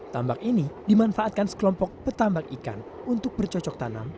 tambak ini dimanfaatkan sekelompok petambak ikan untuk bercocok tanam